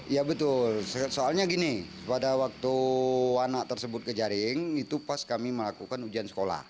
ya betul soalnya gini pada waktu anak tersebut ke jaring itu pas kami melakukan ujian sekolah